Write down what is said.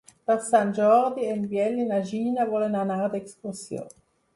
Per Sant Jordi en Biel i na Gina volen anar d'excursió.